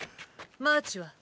マーチは？